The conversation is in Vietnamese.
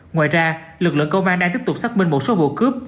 ngoài ra lực lượng công an đang tiếp tục xác minh một số vụ cướp